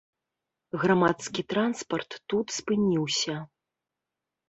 Грамадскі транспарт тут спыніўся.